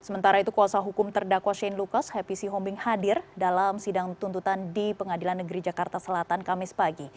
sementara itu kuasa hukum terdakwa shane lucas happ sih hombing hadir dalam sidang tuntutan di pengadilan negeri jakarta selatan kamis pagi